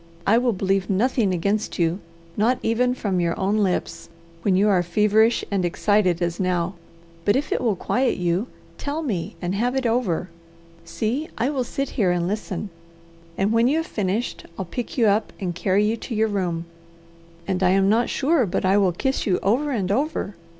I will believe nothing against you, not even from your own lips, when you are feverish and excited as now, but if it will quiet you, tell me and have it over. See, I will sit here and listen, and when you have finished I'll pick you up and carry you to your room, and I am not sure but I will kiss you over and over.